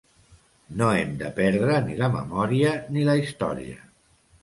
No hem de perdre ni la memòria ni la història.